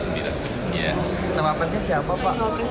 nama presiden siapa pak